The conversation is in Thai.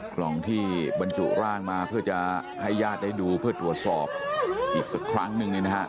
กล่องที่บรรจุร่างมาเพื่อจะให้ญาติได้ดูเพื่อตรวจสอบอีกสักครั้งหนึ่ง